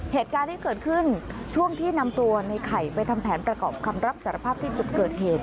เหตุการณ์ที่เกิดขึ้นช่วงที่นำตัวในไข่ไปทำแผนประกอบคำรับสารภาพที่จุดเกิดเหตุ